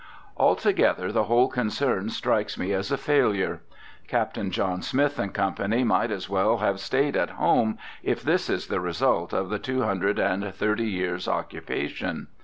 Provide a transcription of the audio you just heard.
Altogether the whole concern strikes me as a failure. Captain John Smith & Co. might as well have stayed at home, if this is the result of the two hundred and thirty years' occupation.